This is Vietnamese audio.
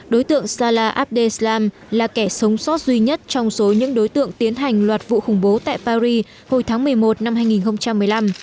đối tượng sala abdesh lam là kẻ sống sót duy nhất trong số những đối tượng tiến hành loạt vụ khủng bố tại paris hồi tháng một mươi một năm hai nghìn một mươi năm